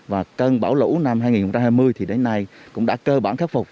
và cơn bão lũ năm hai nghìn hai mươi thì đến nay cũng đã cơ bản khắc phục